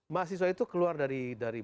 mahasiswa itu keluar dari